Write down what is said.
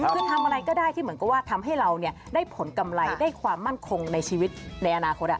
คือทำอะไรก็ได้ที่เหมือนกับว่าทำให้เราได้ผลกำไรได้ความมั่นคงในชีวิตในอนาคต